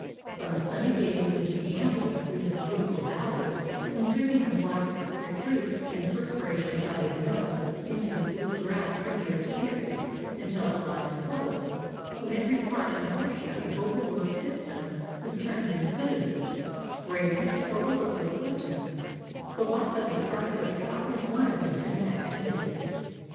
From the sunny days when she gambols through the beautiful valleys, inserting her black retrousse and perspiration dotted nose into the blue grass from ear to ear, until at life's close, when every part and portion of her overworked system is turned into food, raiment or overcoat buttons, the life of a Tar heel cow is one of intense activity.